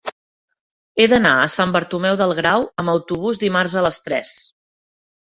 He d'anar a Sant Bartomeu del Grau amb autobús dimarts a les tres.